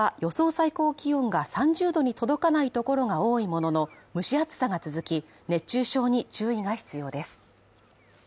最高気温が３０度に届かないところが多いものの、蒸し暑さが続き、熱中症に注意が必要です。